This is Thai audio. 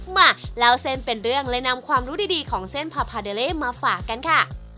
มาเล่าเส้นเป็นเรื่องเลยนำความรู้ดีของเส้นพาพาเดเล่มาฝากกันค่ะ